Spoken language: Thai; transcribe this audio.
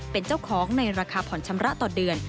เป็นเจ้าของในราคาผ่อนชำระต่อเดือน